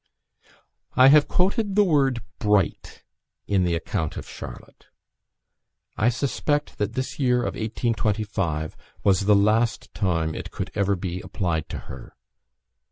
I have quoted the word "bright" in the account of Charlotte. I suspect that this year of 1825 was the last time it could ever be applied to her.